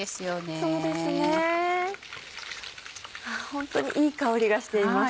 ホントにいい香りがしています。